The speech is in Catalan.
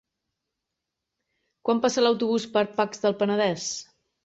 Quan passa l'autobús per Pacs del Penedès?